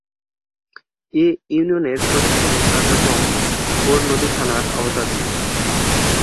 এ ইউনিয়নের প্রশাসনিক কার্যক্রম গৌরনদী থানার আওতাধীন।